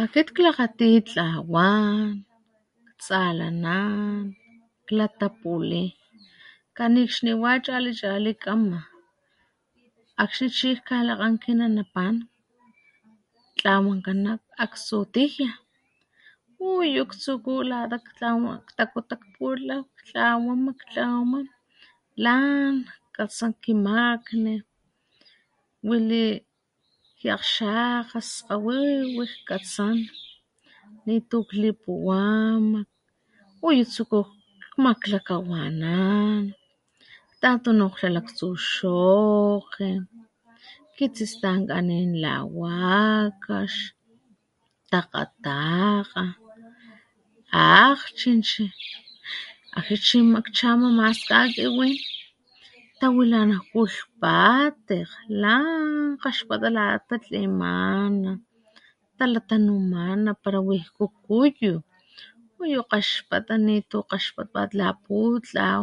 Akit klakgati tlawan, tsalanan, klatapuli, kanikxniwa chali chali kama, akxni chi jkalakgan kinanapan tlawankan nak aktsu tijia uyu ktsuku lata ktlawan ktakuta putlaw ktlawama ktlawama lan katsan ki makni wili ki akgxakga skgawiwi jkatsan nitu klipuwama uyu tsuku kmaklakawanan ktatonokglha laktsu xogkge kitsistankanin la wakax, takgatakga, akchinchi akxni chi matkchama mas jkakiwin tawilanajku lhpatekg lan kgaxpata lata tatlimana talatanumana para wijku kuyu uyu kgaxpata nitu kgaxpatpat la putlaw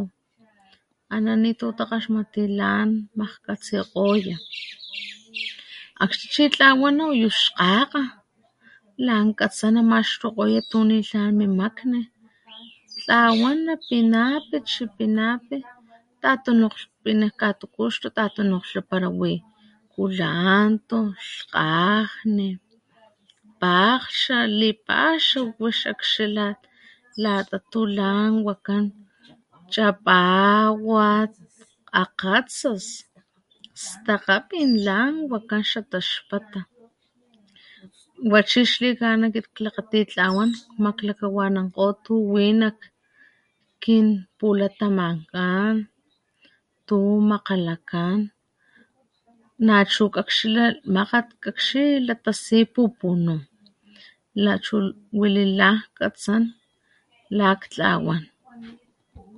ana nitu takgaxmati lan majkgatsikgoya akxni chi tlawana uyu xkgakga lan katsana maxtukgoya tu nitlan mimakni tlawana pinapi chipinapi tatonokglhpi katukuxtu tatonokglha para wi kulanto, lhkgajni, pakghcha lipaxaw wix akxila lata tu lan wakan chapawat, akgatsas, stakgapin lan wakan xa taxpata wa chi xlikana kitklakgati tlawan kmakklakawanankgo tu wi nak kin pulatamankan tu makgalakan nachu kakxila, makgat kakxila tasi pupunu' nachu wi li lan jkatsan lak tlawan.